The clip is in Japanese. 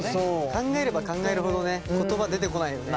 考えれば考えるほどね言葉出てこないよね。